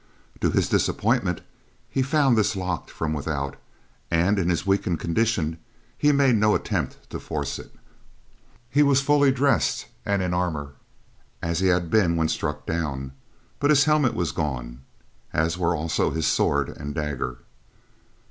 To his disappointment, he found this locked from without and, in his weakened condition, he made no attempt to force it. He was fully dressed and in armor, as he had been when struck down, but his helmet was gone, as were also his sword and dagger.